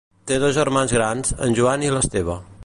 Té dos germans grans, en Joan i l'Esteve.